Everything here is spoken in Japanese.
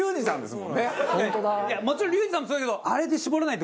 もちろんリュウジさんもそうだけど。